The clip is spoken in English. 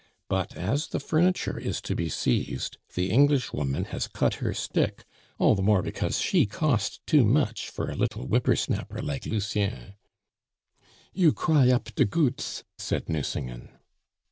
But as the furniture is to be seized, the Englishwoman has cut her stick, all the more because she cost too much for a little whipper snapper like Lucien." "You cry up de goots," said Nucingen.